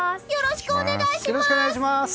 よろしくお願いします！